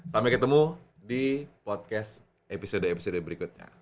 sampai ketemu di podcast episode episode berikutnya